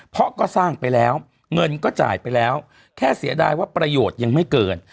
เพราะก็สร้างไปแล้วเงินก็จ่ายไปแล้วแค่เสียดายว่าประโยชน์ยังไม่เกิน